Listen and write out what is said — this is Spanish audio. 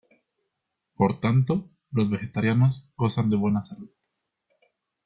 Por tanto, los vegetarianos gozan de buena salud.